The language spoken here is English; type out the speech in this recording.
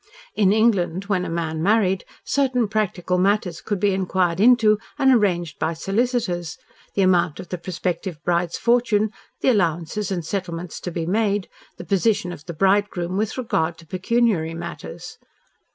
In England when a man married, certain practical matters could be inquired into and arranged by solicitors, the amount of the prospective bride's fortune, the allowances and settlements to be made, the position of the bridegroom with regard to pecuniary matters.